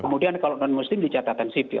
kemudian kalau non muslim dicatatan sipil